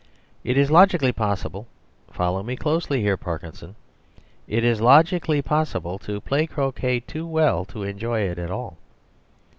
It is logically possible (follow me closely here, Parkinson!) it is logically possible, to play croquet too well to enjoy it at all.